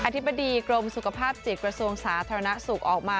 ธิบดีกรมสุขภาพจิตกระทรวงสาธารณสุขออกมา